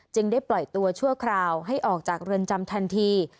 ได้ปล่อยตัวชั่วคราวให้ออกจากเรือนจำทันที